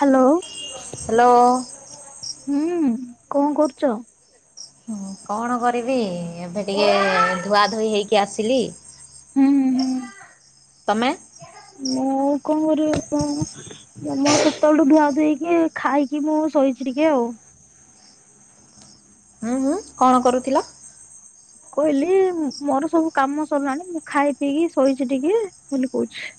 Hello hello ହୁଁ କଣ କରୁଛ ହୁଁ କଣ କରିବି ଏବେ ଟିକେ ଧୁଆ ଧୋଇ ହେଇକି ଆସିଲି ହୁଁ ହୁଁ ହୁଁ। ତମେ ମୁଁ କଣ କରିବି ମୁଁ ମୋ ସେତେବେଳୁ ଧୁଆ ଧୁ ହେଇକି ଖାଇକି ମୁଁ ଶୋଇଛି ଟିକେ ଆଉ ହଁ କଣ କରୁଥିଲ କହିଲି ମୋର ସବୁ କାମ ସରିଲାଣି ମୁଁ ଖାଇ ପିଇକି ଶୋଇଛି ଟିକେ ବୋଲି କହୁଛି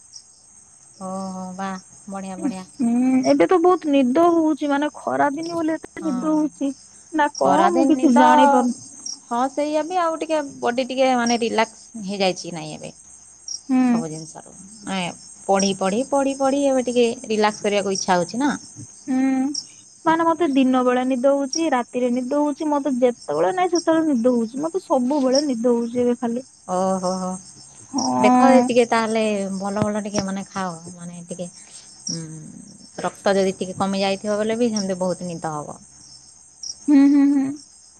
ଓହୋ ବା ବଢ଼ିଆ ବଢ଼ିଆ ହୁଁ ଏବେ ତ ବହୁତ ନିଦ ହଉଛି ମାନେ ଖରା ଦିନି ବୋଲି ଏ ହଁ ନିଦ ହଉଛି ନା କଣ ମୁଁ ଖରାଦିନ କିଛି ନିଦ ଜାଣି ପାରୁନି ହଁ ସେଇଆା ବି ଆଉ ଟିକେ ବଡି ଟିକେ ମାନେ ରିଲାକ୍ସ ହେଇଯାଇଛି ନାଇଁ ଏବେ ହୁଁ ସବୁ ଜିନିଷର ଆ ପଢି ପଢି ପଢି ପଢି ଏବେ ଟିକେ ରିଲାକ୍ସ କରିବାକୁ ଇଛା ହଉଛି ନାଁ। ହୁଁ। ମାନେ ମତେ ଦିନ ବେଳେ ନିଦ ହଉଚଛି ରାତିରେ ନିଦ ହଉଛି ମତେ ଯେତେବେଳେ ନାହିଁ ସେତେବେଳେ ନିଦ ହଉଛି ମତେ ସବୁବେଳେ ନିଦ ହଉଛି ଏବେ ଖାଲି ଓହୋ ହୋ ଦେଖ ହଁ। ଟିକେ ତାହେଲେ ଭଲ ଭଲ ଟିକେ ମାନେ ଖାଉ ମାନେ ଟିକେ ଉଁ ରକ୍ତ ଯଦି ଟିକେ କମି ଯାଇଥିବ ବଲେ ବି ସେମିତି ବହୁତ ନିଦ ହବ। ହୁଁ ହୁଁ ହୁଁ।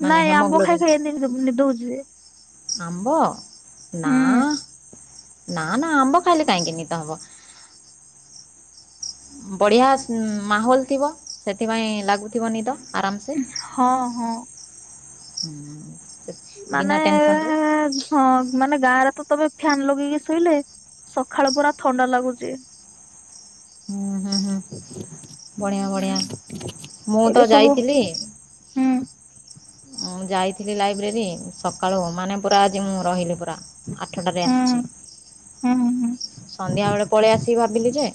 ମାନେ ନାଇଁ ଆମ୍ବ ହେମୋଗ୍ଲୋବିନ୍ ଖାଇକାଇ ଏମତି ନିଦ ହୋଉଛି ଯେ ଆମ୍ବ ହୁଁ ନାଁ ନା ନା ଆମ୍ବ ଖାଇଲେ କାହିଁକି ନିଦ ହବ ବଢ଼ିଆ ମାହୋଲ ଥିବ ସେଥିପାଇଁ ଲାଗୁଥିବ ନିଦ ଆରାମସେ ହଁ ହଁ। ହୁଁ। ମାନେ ବିନା ଟେନସନ୍ରେ ହଁ ମାନେ ଗାଁ ତ ତମେ ଫ୍ୟାନ ଲଗେଇକି ଶୋଇଲେ ସକାଳ ପରା ଥଣ୍ଡା ଲାଗୁଛି। ହୁଁ ହୁଁ ହୁଁ ବଢିଆ ବଢିଆ ମୁଁ ଏବେ ତ ସବୁ ଯାଇଥିଲି ହୁଁ ମୁଁ ମୁଁ ଯାଇଥିଲି ଲାଇବ୍ରେରୀ ସକାଳୁ ମାନେ ପୁରା ଆଜି ମୁଁ ରହିଲି ଆଠଟାରେ ହୁଁ ଆସିଛି ହୁଁ ହୁଁ ହୁଁ। ସନ୍ଧ୍ୟା ବେଳେ ପଳେଇ ଆସିକି ଭାବିଲି ଯେ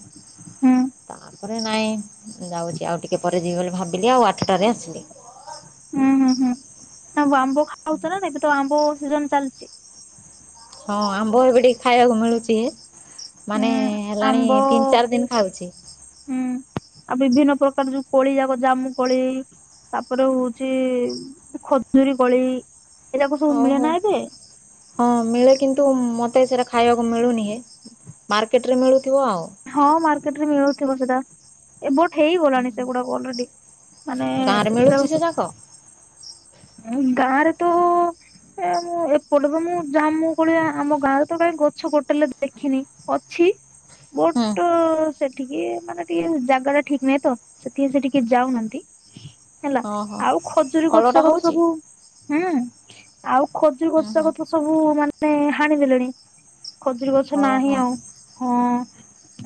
ହୁଁ ତା ତାରେ ନାଇଁ ଯାଉଛି ଆଉ ଟିକେ ପରେ ଯିବି ବୋଲି ଭାବିଲି ଆଉ ଆଠଟାରେ ଆସିଲି। ହୁଁ ହୁଁ ହୁଁ [inaudible] ଖାଉଚ ନାଁ ହିଁ କେତେବେଳେ ଆମ୍ବ ସିଜିନି ଚାଲିଛି। ହଁ ଆମ୍ବ ଏବେ ଟିକେ ଖାଇବାକୁ ମିଳୁଛି। ମାନେ ହୁଁ। ହେଲାଣି ଆମ୍ବ ତିନି ଚାରି ଦିନ ଖାଉଛି। ହୁଁ ଆଉ ବିଭିନ୍ନ ପ୍ରକାର ଯୋଉ କଳି ଯାକ ଜାମୁ କଳି ତାପରେ ହଉଛି ଖଜୁରୀ କଳି ହୋଉ ହୋଉ ହଁ ମେଳେ କିନ୍ତୁ ମତେ ସେଟା ଖାଇବାକୁ ମିଳୁନି ମାର୍କେଟରେ ମିଳୁ ହଁ ମାର୍କେଟ ରେ ମିଳୁଛି। [inaudible] ହେଇଗଲାଣି ସେଗୁଡାକ ଅଲରେଡି ଗାଁରେ ମାନେ ମିଳୁଛି ସେ ଯୋଉଁ ଯାକ ଗାଁରେ ତ ମୁଁ ଏପଟେ ତ ମୁଁ ଜୁମୁ କୋଳି ଆମ ଗାଁରେ ତ କାହିଁ ଗଛ ଗୋଟେ ଦେଖିନି ଅଛି ହୁଁ। ବଟ ସେଠିକି ମାନେ ଟିକେ ଜାଗା ଟା ଠିକ ନାହିଁ ତ ସେଥିି ସେଠିକେ ଯାଉନାହାନ୍ତି। ହେଲା ଓହୋ ଆଉ ଖଜୁରୀ [inaudible] ଫଳଟା ସବର ହଉଛି ସବୁ ହୁଁ ଆଉ। ଖୋଜୁ ହୁଁ ଖୋଜା ହୁଁ। କଥା ସବୁ ମାନେ ମେ ହଣି ଦେଲୁଣି ଖଜୁରୀ ଗଛ ନାହିଁ ଓହୋ ଆଉ ହଁ।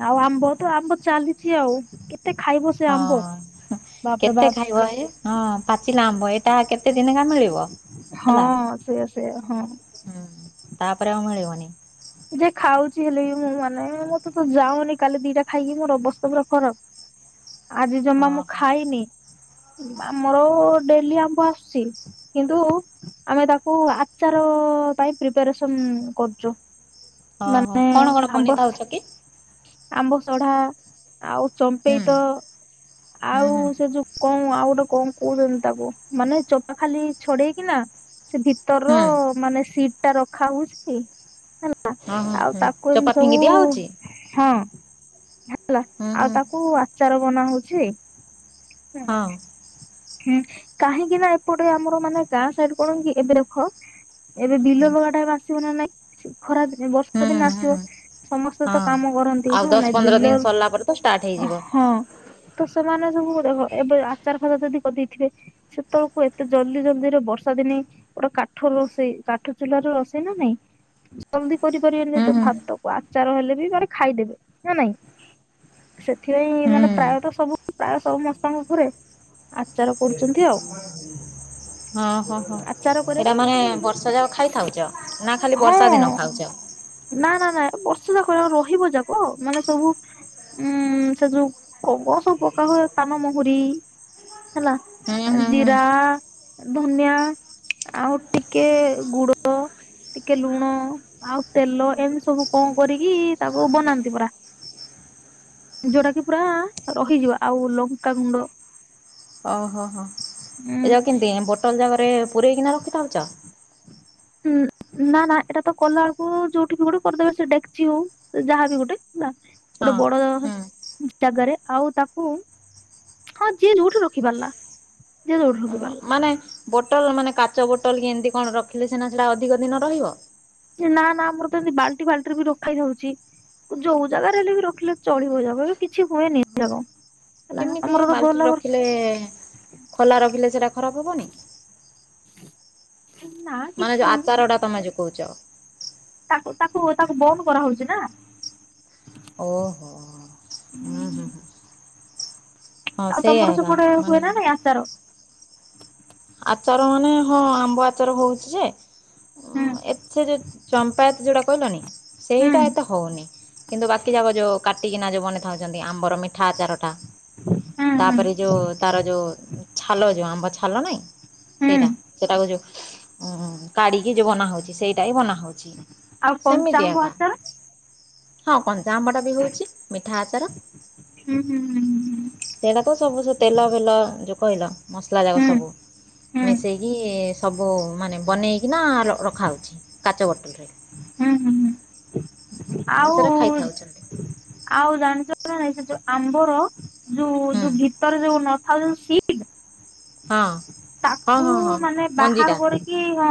ଆଉ ଆମ୍ବ ତ ଆମ୍ବ ଚାଲିଛି ଆଉ କେ ହଁ କେତେ ବାପ ଖାଇବ ଏ ହଁ ପାଚିଲା ଆମ୍ବ ଏ ଆ କେତେ ଦତିିନକା ମିଳିବ ହେଲା ହଁ ସେଇଆ ସେଇଆ ହଁ। ହ ତାପରେ ଆଉ ମିଳିବନି। ଯେ ଖାଉଛି ହେଲେ ବି ମୁଁ ମାନେ ମଁ ତେ ତ ଯାଉନି କାଲି ଦିଟା ଖାଇକି ମୋର ଅବସ୍ଥା ପୁରା ଖରାପ। ଆଜି ଜମା ମୁଁ ଓହୋ। ଖାଇନି। ଆମର ଡେଲି ଆମ୍ଭ ଆସୁଛି କିନ୍ତୁ ଆମେ ତାକୁ ଆଚାର ପାଇଁ ପ୍ରିପାରେସନ କରୁଛୁ। ହଁ ହୋ ମାନେ କଣ କଣ ଆମ୍ବ ବନେଇଥାଉଛ କି। ଆମ୍ବ ସଢା ଆଉ ହୁଁ ଚମ୍ପେଇ ତ ହୁଁ ଆଉ ହୁଁ ସେ ଯୋଉ କଣ ଆଉ ଗୋଟେ କଣ କହୁଛନ୍ତି ତାକୁ ମାନେ ଚପା ଖାଲି ଛଡେଇକି ନା ସେ ଭିତରର ହୁଁ ମାନେ ସିଟ ଟା ରଖା ହଉଛି ହେଲା। ହଁ ହଁ ଆଉ ହୁଁ। ତାକୁ ଚୋପା ଏମତି ସବୁ ଫିଙ୍ଗି ଦିଆ ହଉଛି ହଁ ହେଲା ହୁଁ ଆଉ ହୁଁ ତାକୁ ଚାର ବନା ହଉଛି। ଛି ହଁ ହୁଁ କାହିଁକି ନା ଏପଟେ ଆମର ମାନେ ଗାଁ ସାଇଡ କଣ କି ଏବେ ଦେଖ ଏବେ ବିଲ ହୁଁ ଲଗା ଟା ଆସିବ ନା ନାଇଁ ଖରାିନ ହୁଁ ବର୍ଷା ଦିନ ହୁଁ ଆସିବ ସମସ୍ତେ ତ ହଁ କାମ କରନ୍ତି ଆଉ ହଁ ଦଶ ନାଇଁ ପନ୍ଦର ଦିନ ସରିଲା ପରେ ତ ଷ୍ଟାର୍ଟ ବିଲର ହେଇଯିବ। ହଁ ତ ସେମାନେ ସବୁ ଏବେ ଆଚାର ଖତ ଯଦି। ଦେଇଥିବେ ସେତେବେଳକୁ ଏତେ ଜଲ୍ଦି ଜଲଦିରେ ବର୍ଷା ଦିନେ ଗୋଟେ କାଠ ରୋଷେଇ କାଠ ଚୁଲ ରୋଷେଇ ନା ନାଇଁ ଜଲଦି କରିପାରିବେନି ହୁଁ ତ ହୁଁ ଭାତକୁ ଆଚାର ହେଲେ ବି ମାନେ ଖାଇଦେବେ ନା ନାଇଁ ସେଥିପାଇଁ ମାନେ ହୁଁ। ପ୍ରାୟତା ସବୁ ପ୍ରାୟ ସବୁ ସମସ୍ତଙ୍କ ଘରେ ଆଚାର କରୁଛନ୍ତି ଆଉ ହଁ ହଁ ହଁ ଆଚାର କରିବା ଏଇଟା ପାଇଁ ମାନେ ସବୁ ବର୍ଷା ଯାକ ଖାଇଥାଉଛ ନା ଖାଲି ହଁ ବର୍ଷା ଦିନ ଖାଉଛ। ନା ନା ନାାଇଁ ବର୍ଷେ ଯାକ ରହିବ ଯାକ ମାନେ ସବୁ ଉଁ ସେ ଯୋଉ କଣ ସବୁ ପ୍ରକା ହୁଏ କାନମହୁରି ହେଲା ହୁଁ ହୁଁ ହୁଁ ଜିରା ଧନିଆ ଆଉ ଟିକେ ଗୁଡ ଟିକେ ଲୁଣ ଆଉ ତେଲ ଏମିତି ସବୁ କଣ କରିକି ତାକୁ ବନାନ୍ତି ପୁରା ଯୋଉଟା କି ପୁରା ରହିଯିବ ଆଉ ଲଙ୍କା ଗୁଣ୍ଡ ଓହୋହୋ ଏ ଯାାଉ କେମତି ବୋଟଲ ଜାଗାରେ ପୂରେଇକିନା ର ଥାଉଛ। ଁ ନା ନା ଏଇଟା ତ କଲା ବେଳକୁ ଯୋଉଠି ଗୋଟେ କରିଦେବେ ସେ ଡେଚି ହଉ ଯାହାବି ଗୋଟେ ନା ଗୋଟେ ହଁ। ବଡ ହୁଁ। ଜାଗାରେ ଆଉ ତାକୁ ହଁ ଯିଏ ଯୋଉଠି ରଖି ପାରିଲା ଯିଏ ଯୋଉଠି ରଖି ଓହୋ ପାରିଲା। ମାନେ ବୋଟଲ ମାନେ କାଚ ବୋଟଲ କି ଏମିତି କଣ ରଖିଲେ ସିନା ସେଟା ଅଧିକ ଦିନ ରହିବ। ନା ନା ଆମର ତ ଏମିତି ବାଲ୍ଟି ଫାଲଟି ବି ରଖା ଜା ଯୋଉ ଜାଗାରେ ହେଲେ ବି ରଖିଲେ ଚଳିବ ଏରାକ କିଛି ହୁଏନି ଏରାକ। କେମିତି ଏ ବାଲ୍ଟିରେ ରଖିଲେ ଖୋଲା ରଖିଲେ ସେରା ଖରାପ ହେବନି। ନା ମାନେ କିଛି ଯୋଉ ହଉନି ଆଚାର ଟା ତମେ ଯୋଉ। କହୁଚ। ତାକୁ ତାକୁ ବନ୍ଦ କରାହଉଛି ନା। ଓହୋ ହୁଁ ହୁଁ ହଁ ଆଉ ସେଇଆ ତମର ଏକା ସେପଟେ ମାନେ ହୁଏ ନା ନାଇଁ ଆଚାର। ଆଚାର ମାନେ ହଁ ଆମ୍ବ ଆଚାର ହେଉଛି ଯେ ହୁଁ ଉଁ ଏଥେ ରେ। ଚମ୍ପାୟତ ଯଉଡ଼ା କହିଲନି। ହୁଁ ସେଇଟା ଏତେ ହଉନି କିନ୍ତୁ ବାକି ଯାକ ଯୋଉ କାଟିକିନା ଯଉ ବନେଇଥାଉଛନ୍ତି ଆମ୍ବର ମିଠା ଆଚାର ଟା। ହୁଁ ତାପରେ ଯୋଉ ତାର ଯୋଉ ଛାଲ ଯୋଉ ଆମ୍ବ ଛା ଭଲ ନାଇ। ହୁଁ ହୁଁ। ସେଇଟା ସେଟାକୁ ଯଉ ଉଁ କାଢିକି ଯଉ ବନାହଉଛି ସେଇଟା ହିଁ ବନାହଉଛି। ଆଉ କଞ୍ଚା ଆମ୍ୱ ଆଚାର। ହଁ କଞ୍ଚା ଆମ୍ବ ଟା ବି ହଉଛି। ମିଠା ହୁଁ ଆଚାର ହୁଁ ହୁଁ ହୁଁ ହୁଁ ସେଟା ତ ସବୁ ସେ ତେଲ ଫେଲ ଯଉ କହିଲ। ମସଲା ଯାକ ହୁଁ ସବୁ ହୁଁ ହୁଁ ମିଶେଇକି ସବୁ ମାନେ ବନେଇକିନା ରଖାହେଉଛି କାଚ ବୋଟଲ ରେ। ହୁଁ ହୁଁ ହୁଁ ଆଉ ସେଟା ଖାଇଥାଉଛନ୍ତି ଆଉ ଜାଣିଚନା ନାଇ। ଯୋଉ ଆମ୍ବର ଯୋଉ ହୁଁ ଯୋଉ ଭିତର ଯୋଉ ନ ଆଉ ଯୋଉ ସି [unintelligible] ହଁ। ହଁ ତାକୁ ହଁ ହଁ ମାନେ ବାହାର ମଞ୍ଜିଟା କରିକି ହଁ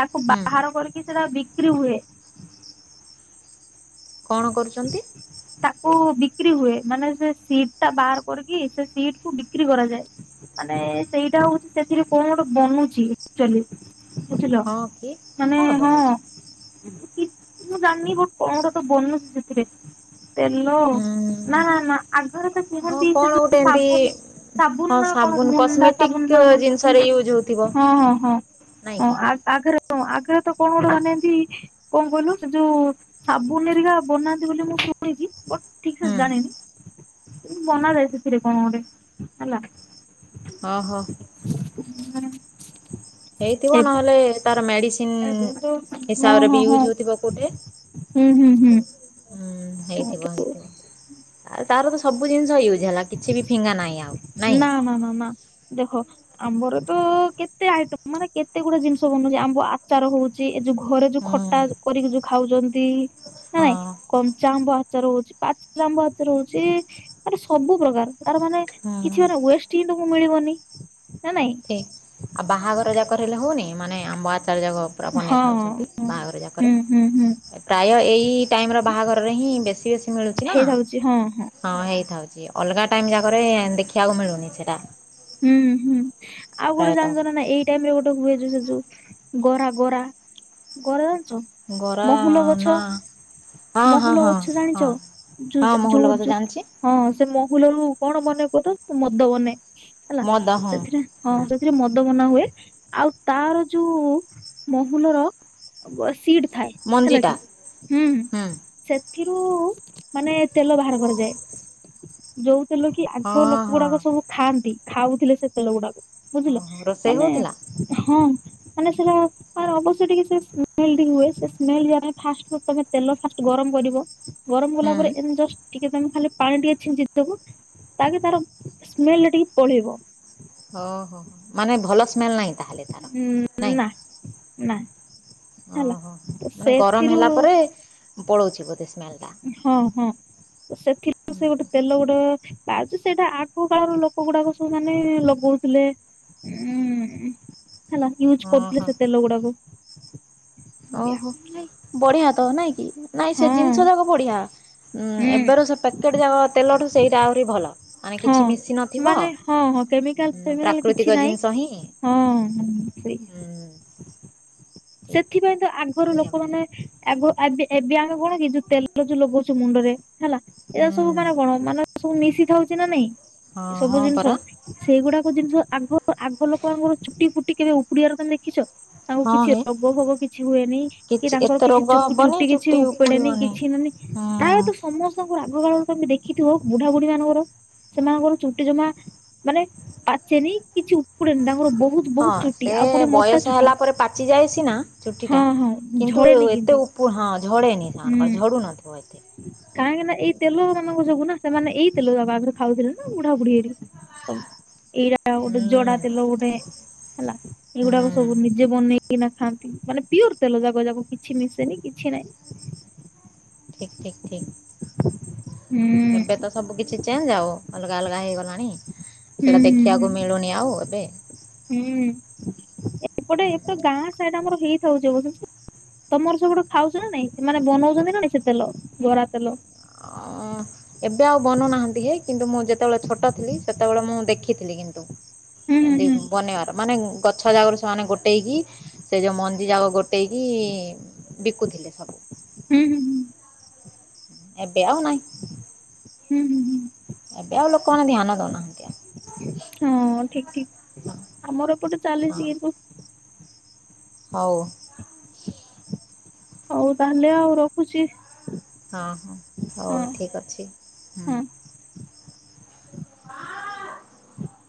ତାକୁ ହୁଁ ବାହାର କରିକି ସେଟା ଵିକ୍ କ୍ରି ହୁଏ। କଣ କରୁଚନନ୍ତି। ତାକୁ ବିକ୍ରି ହୁଏ ମାନେ ସେ ସିଟ୍ ଟା ବାହାର କରିକି ସେ ସିଟ୍ କୁ ବିକ୍ରି କରାଯାଏ ମାନେ ସେଇଟା ହଉଛି ସେଥିରେ କଣ ଗୋଟେ ବନୁଛିଚୁ ଆକ୍ଚୁଆଲି। ବୁଝିଲ ହଁ କି ମାନେ କ'ଣ ହଁ ବନୁଛି କି ମୁଁ ଜାଣିନି କଣ ଗୋଟେ ତ ବନୁଛି ସେଥିରେ। ତେଲ ହୁଁ ନା ନା ଆଗରେ ତ ହଁ କୁହନ୍ତି ସେ କ'ଣ ଯୋ ଗୋଟେ ଏମିତି ସାବୁନ୍ ସାବୁନ୍ ହଁ ନା କଣ ସାବୁନ ମୁଣ୍ଡା କସ୍ମେଟିକ୍ ସାବୁନ୍ ନା ଜିନିଷରେ ୟୁଜ୍ ହେଉଥିବ ହଁ ହଁ ହଁ ନାଇଁ ହଁ କି ଆଗରେ ହ ଆଗରେ ତ କଣ ଗୋଟେ ବନାନ୍ତି କଣ କହିଲୁ ସେ ଯୋଉ ସାବୁନ ଏରିକା ବନାନ୍ତି ବୋଲି ମୁଁ ଶୁ ହ [unintelligible] ଠିକ୍ ସେ ହୁଁ ଜାଣେନି। ବନାଯାଏ ସେଥିରେ କଣ ଗୋଟେ ହେଲା। ହଁ ହଁ ହ ହେଇଥିବ ନହେଲେ ତାର ମେଡିସିନ ହଁ ହିସାବରେ ବି ହଁ ହଁ ୟୁଜ ହଥିବ କୋଉଠେ? ହୁଁ ହୁଁ ହୁଁ ହେଇଥିବ ହେଇଟ ଆ ତାର ସବୁ ଜିନିଷ ୟୁଜ ହେଲା କିଛି ବି ଫିଙ୍ଗା ନାହିଁ ଆଉ। ନାଇଁ ନା ମା ମା ଦେଖ। ଆମ୍ବର ତ କେତେ ଆଇଟମ ମାନେ କେତେ ଗୁଟେ ଜିନିଷ ବନଉଛି ଆମ୍ବ ଆଚାର ହଉଛି ଏ ଯୋଉ ଘରେ ଯୋଉ ହୁଁ ଖଟା କରିକି ଯୋଉ ଖାଉଛନ୍ତି। ନା ହଁ ନାଇଁ କ ଆମ୍ବ ହଚ ରହୁଛି ପାଚମ୍ବ ହଚ ରହୁଛି ମାନେ ସବୁ ପ୍ରକାର ତାର ମାନେ। କିଛି ମାନ ୱେଷ୍ଟ ହିଁ ତକୁ ମିଳିବନି। ନା ନାଇଁ ଠିକ ଆଉ ବାହାଘର ଯାକହଲେ ହଉନି ମାନେ। ଆମ ବା ଯାକ ପୁରା ବନେଇ ହଁ ଥାଉଛନ୍ତି ହଁ ବାହାଘର ଯାକରେ ହୁଁ ହୁଁ ହୁଁ ପ୍ରାୟ ଏଇ ଟାଇମର ବାହାଘରରେ ହିଁ ବେଶୀ ବେଶୀ ମିଳୁଛି ନା ହେଇଥାଉଛି ହଁ ହଁ ହେଇଥାଉଛି। ଅଲଗା ଟାଇ ଯାକରେ ଦେଖିବାକୁ ମିଳୁନି ସେଟା। ହୁଁ ହୁଁ। ଆଉ ଗୋଟେ ଜାଣିଛ ନା ଏଇ ଟାଇମ ରେ ଗୋଟେ ହୁଏ। ଗରା ଗରା ଗରା। ଗରା ମହୁଲ ଗଛ ନା ହଁ ହଁ ମହୁଲ ହଁ ଗଛ ଜାଣିଛ ହଁ ହଁ ମହୁଲ ଗଛ ଯୋଉ ଜାଣିଛି ହଁ ସେ ଫୁଲରୁ କଣ ବନେଇ କହ ତ ମଦ ବନେ। ହେଲା ମଦ ହଁ ସେଥିରେ ହଁ ହୁଁ ସେଥିରେ ମଦ ବନା ହୁଏ। ଆଉ ତାର ଯୋଉ ମହୁଲର ସିଡ ଥାଏ ହେଲା ମଞ୍ଜିଟା କି ହୁଁ ସେ। ଆଖିରୁ ମାନେ ତେଲ ବାହାର କରାଯାଏ ଯୋଉ। ସେ ଲ କି ଆଗ ହଁ ଲୋକ ହଁ ଗୁଡାକ ସବୁ ଖାଆନ୍ତି। ଖାଉଥିଲେ ସେତେବେଳେ ଗୁଡାକ। ବୁଝିଲ ଓହୋ ରୋଷେଇ ମାନେ ହଉଥିଲା ହଁ। ମାନେ ସେଟାେ ଅବଶ୍ୟ ଟିକେ ସେ ସ୍ଲ ହୁଏ ସେ ସ୍ଲେ ଫାଷ୍ଟ ତମେ ତେଲ ଫାଷ୍ଟ ଗରମ କରିବ। ଗରମ ଗଲା ହୁଁ ପରେମ ଜଷ୍ଟ ଟିକେ ତମେ ଖାଲି ପାଣି ଟିକେ ଅଛିଝିଜକୁ ତାକେ ତାର ସ୍ମେଲ ଟିକେ ପଢିବ। ଓ ହୋ ମାନେ ଭଲ ଲ ନାହିଁ ତାହେଲେ ତାର ନ ନା ନା ଓହୋ ହେଲା ହ ତ ମାନେ ଗରମ ସେଥିରୁ ହେଲା ପରେ ପଳଉଛି ଉପଦେଶ ହଁ ହଁ ସେଥିରୁ ସେ ଗୋଟେ ତେଲ ଗୁଡେ ବାହଛି ସେଇଟା ଆଗ କାଳର ଲୋକ ଗୁଡାକ ସବୁ ମାନେ ଲଗଉଥିଲେ ଉଁ ହେଲା ୟୁଜ୍ କରୁଥିଲେ ଓହୋ ସେତେ ଲଗୁଡାକୁ। ଓହୋ ବଢିଆ ତ ନାଇଁ କି? ନାଇଁ ସେ ହଁ ଜିନିଷ ଯାକ ପଢିଆ। ଉୁଁ ହୁଁ ଏବେ ର ସେ ପ୍ୟାକେଟ ଯାକ ତେଲଠୁ ସେଇଟା ଆହୁରି ଭଲ। ମାନେ ହଁ କିଛି ମିଶି ନଥିବ ମାନେ ହଁ ହଁ କେମିକାଲ ଉଁ କେମିକାଲ ପ୍ରାକୃତିକ କିଛି ନାଇଁ ଜିନିଷ ହିଁ ହଁ ହଁ ସେଇ ହୁଁ ଠିକ୍ ସେଥିପାଇଁ ତ ଆଗରୁ ସେଇଆ ବଢ଼ିଆ ଲୋକମାନୋନେ ଆଗ ଏବେ ଏବେ ଆମେ କଣ କି ଯୋଉ ତେଲ ଯୋଉ ଲଗଉଛ ମୁଣ୍ଡରେ ଏଇଟା ସବୁ ହୁଁ ମାନେ କଣ ମାନେ? ସବୁ ମିଶିଥାଉଛି ନା ନାଇଁ। ହଁ ଏ ସବୁ ହଁ ଜିନିଷ ପରା ସେଇଗୁଡାକ ଜିନିଷ ଆଗ ଆଗ ଲୋକଙ୍କର ଚୁଟି ଫୁଟି କେବେ ଉପୁଡିଆରେ ତମେ ଦେଖିଛ। ଆଉ ହଁ କିଛି। ହେ ରୋଗ ଫୋଗ କିଛି ହୁଏନି କି କିଛି ତାଙ୍କର ଏତେ କିଛି ରୋଗ ହବନି ଚୁଟି କିଛି ଉପେଡେନି ଉପୁଡ଼ିବନି କିଛି ନନି ହୁଁ ପ୍ରାୟତଃ ସମସ୍ତଙ୍କୁ ରାଗକାାଳ ତମେ ଦେଖିଥିବ ବୁଢା ବୁଢୀ ମାନଙ୍କର ସେମାନଙ୍କର ଚୁଟି ଜମା ମାନେ ପାଚେନି କିଛି ଉପୁଡେନି ତାଙ୍କ ହଁ ସେ ବୟସ ଚୁଟି। ହେଲା ପରେ ପାଚି ଯାଏ ସେ ନା ଚୁଟି ଟା ହଁ ହଁ କିନ୍ତୁ ଝଡେନି କିନ୍ତୁ ଏତେ ହଁ ଡ଼େନି ହୁଁ। ସେମାନଙ୍କର ଝ ନଥିବ ଏତ। ସବୁ ନା ସେମାନେ ଏଇଥିଲୁ ତା ଆଗରେ ଖାଉଥିଲେ ନା ବୁଢା ବୁଢୀ ହେ ସବୁ। ଏଇଟା ଗୋଟେ ହୁଁ ଜଡା ତେଲ ଗୋଟେ ହେଲା ହୁଁ ଏଇଗୁଡାକ ସବୁ ନିଜେ ବନେଇ ନା ଖାଆନ୍ତି ମାନେ ପିଓର ତେଲ ଯାାଗ ଯାକ କିଛି ମିଶେନି କିଛି ନହିଁ। ଠିକ ଠିକ ଠିକ। ଏବେ ହୁଁ ତ ସବୁ କିଛି ଚେଞ୍ଜ ଆଉ ଅଲଗା ଅଲଗା ହେଇଗଲାଣି? ହୁଁ ସେଇଟା ଦେଖିବାକୁ ହ ମିଳୁନି ଆଉ ଏବେ। ହଁ ହୁଁ ଏପଟେ ହୁଁ, ଏପଟେ ଗାଁ ସାଇଡ ଆମର ହେଇ ତମର ସ ଗୁଟ ଖାଉଛ ନା ନାଇଁ ସେ ମମାନେେ ବନଉଛନ୍ତି ନାାଇ ସେ ତେଲ ବରା ତେଲ। ଅଁ ଏବେ ଆଉ ବନୁନାହାନ୍ତି ହେ କିନ୍ତୁ ମୁଁ ଯେତେବେଳେ ଛୋଟ ଥିଲି ସେତେବେଳେ ମୁଁ ଦେଖିଥିଲି କିନ୍ତୁ ହୁଁ ଏମତି ହୁଁ ବନେଇବାର ମାନେ ଗଛ ଜାଗ ର ସେମାନେ ଗୋଟେ ପଟେଇକି ସେ ଯୋଉ ମନ୍ଦିର ଯା ଗୋଟେ କି କୁଥିଲେ ସବୁ ହୁଁ ହୁଁ ହୁଁ ଏ ବେୟ ହ ନହିଁ ହୁଁ ହୁଁ ହୁଁ ଏବେଓ ଲୋକଙ୍କୁ ଧଧ୍ୟାନ ନ ଦେନା ହନ୍ତିଆ ହଁ ଠିକ ଆମର ଏପଟେ ଆଉ ଚାଲିଛି ଏ ହଉ ହଉ ତାହେଲେ ଆଉ ରଖୁଛି ହଁ ହଁ ହଉ ହଁ ଠିକ୍ ଅଛି ହୁ ହଁ। ହଁ ହ